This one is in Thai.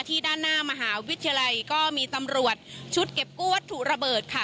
ด้านหน้ามหาวิทยาลัยก็มีตำรวจชุดเก็บกู้วัตถุระเบิดค่ะ